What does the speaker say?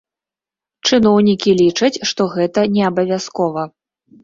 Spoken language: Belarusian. Чыноўнікі лічаць, што гэта неабавязкова.